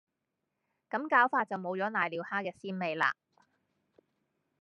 咁搞法就冇咗攋尿蝦嘅鮮味喇